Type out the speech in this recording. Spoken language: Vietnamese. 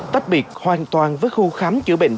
tách biệt hoàn toàn với khu khám chữa bệnh